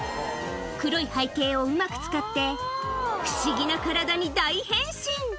黒い背景をうまく使って、不思議な体に大変身。